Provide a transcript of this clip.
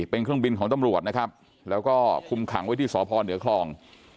เป็นเครื่องบินของตำรวจนะครับแล้วก็คุมขังไว้ที่สพเหนือคลอง